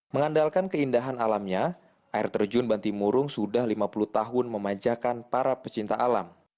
mengandalkan keindahan alamnya air terjun bantimurung sudah lima puluh tahun memanjakan para pecinta alam